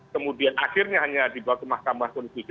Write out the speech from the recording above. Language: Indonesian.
kemudian akhirnya hanya dibawa ke mahkamah konstitusi